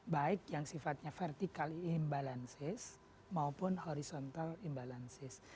baik yang sifatnya vertikal imbalansis maupun horizontal imbalansis